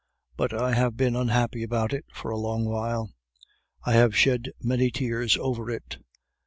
But I have been unhappy about it for a long while; I have shed many tears over it.